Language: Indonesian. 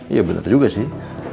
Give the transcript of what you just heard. iya bener juga sih